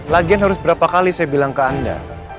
lagian harus berapa kali saya bilang ke anda